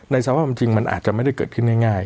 ในสถานที่มันจริงมันอาจจะไม่ได้เกิดขึ้นง่าย